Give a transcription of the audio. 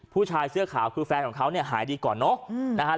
ผู้ชายเสียขาวคือแฟนเขาหายดีก่อนเนาะ